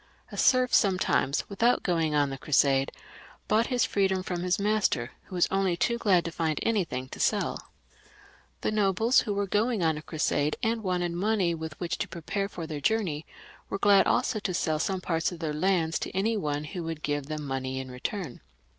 A serf sometimes, without going on the Crusade, bought his free dom from his master, who was only too glad to find any thing to sell The nobles who were going on a crusade, and wanted money with which to prepare for their journey, were glad also to sell some part of their lands to any one who would give them money in return.